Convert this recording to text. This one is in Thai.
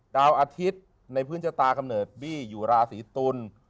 ดาวอาทิตย์ในพื้นชะตากำเนิดบี้อยู่ราศีตุล